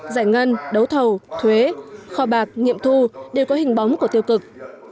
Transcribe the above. giải ngân đấu thầu thuế kho bạc nghiệm thu đều có hình bóng của tiêu cực